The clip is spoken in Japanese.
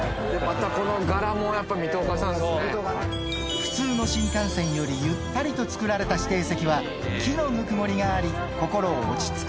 普通の新幹線よりゆったりと作られた指定席は木のぬくもりがあり心落ち着く